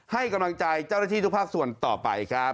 ให้กำลังใจเจ้าหน้าที่ทุกภาคส่วนต่อไปครับ